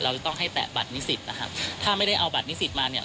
จะต้องให้แตะบัตรนิสิตนะครับถ้าไม่ได้เอาบัตรนิสิตมาเนี่ย